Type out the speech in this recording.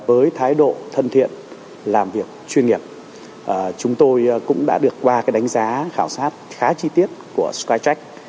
với thái độ thân thiện làm việc chuyên nghiệp chúng tôi cũng đã được qua đánh giá khảo sát khá chi tiết của skytex